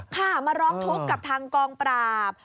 ค่ะมาร้องทุกข์กับทางกองปราบ